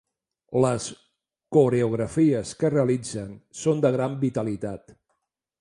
Les coreografies que realitzen són de gran vitalitat.